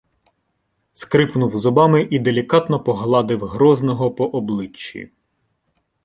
Скрипнув зубами і делікатно погладив Грозного по обличчі.